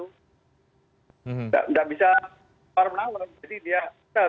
nggak bisa para penawar jadi kita harus menghadapi adaptasi dengan itu